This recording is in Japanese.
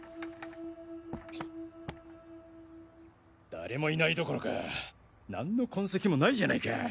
誰もいないどころか何の痕跡もないじゃないか。